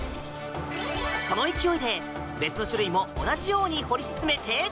その勢いで別の種類も同じように掘り進めて。